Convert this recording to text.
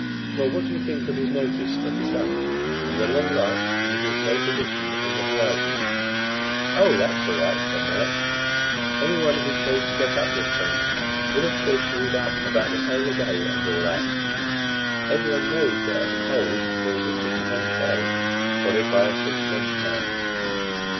"Well, what do you think of his notice of the sun, and the long light, and his low position on the horizon?" "Oh, that's all right," said Melick. "Anyone who chose to get up this thing would of course read up about the polar day, and all that. Everyone knows that at the poles there is a six months' day, followed by a six months' night."